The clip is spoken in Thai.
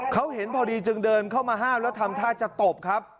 เขาเห็นพอดีจึงเดินเข้ามาห้ามแล้วทำท่าจะตบครับ